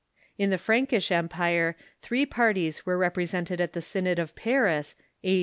In the Frankish empire, three parties were represented at the Synod of Paris, a.